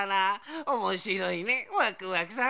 おもしろいねワクワクさん。